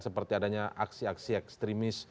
seperti adanya aksi aksi ekstremis